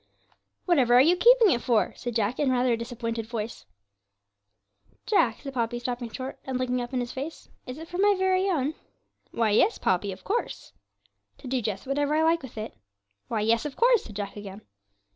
'Whatever are you keeping it for?' said Jack, in rather a disappointed voice. 'Jack,' said Poppy, stopping short, and looking up in his face, 'is it for my very own?' 'Why, yes, Poppy of course.' 'To do just whatever I like with it?' 'Why, yes, of course,' said Jack again.